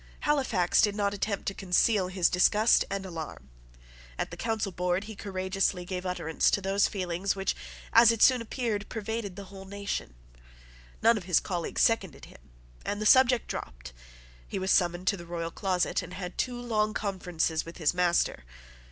Halifax did not attempt to conceal his disgust and alarm. At the Council board he courageously gave utterance to those feelings which, as it soon appeared, pervaded the whole nation. None of his colleagues seconded him; and the subject dropped. He was summoned to the royal closet, and had two long conferences with his master.